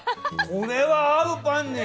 これは合うパンに。